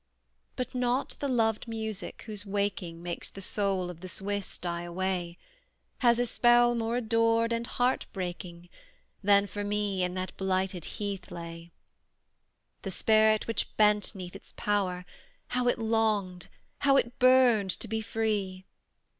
But not the loved music, whose waking Makes the soul of the Swiss die away, Has a spell more adored and heartbreaking Than, for me, in that blighted heath lay. The spirit which bent 'neath its power, How it longed how it burned to be free!